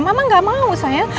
mama gak mau sayang